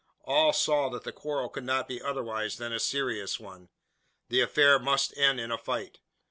All saw that the quarrel could not be otherwise than a serious one. The affair must end in a fight.